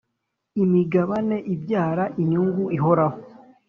imigabane ibyara inyungu ihoraho